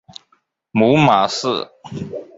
母马氏。